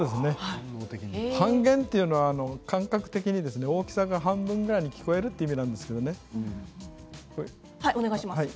半減というのは感覚的に大きさが半分ぐらいに聞こえるという意味なんですけれどもね。